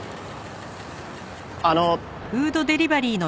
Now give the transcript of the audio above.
あの。